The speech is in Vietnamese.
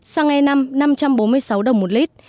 xăng e năm năm trăm bốn mươi sáu đồng một lít